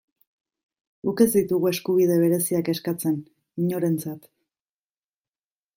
Guk ez ditugu eskubide bereziak eskatzen, inorentzat.